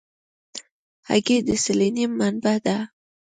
هګۍ د سلینیم منبع ده.